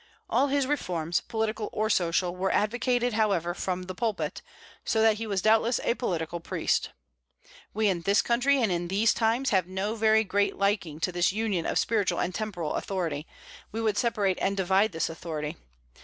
All his reforms, political or social, were advocated, however, from the pulpit; so that he was doubtless a political priest. We, in this country and in these times, have no very great liking to this union of spiritual and temporal authority: we would separate and divide this authority.